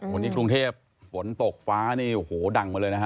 วันนี้กรุงเทพฯฝนตกฟ้าโหดั่งมาเลยนะครับ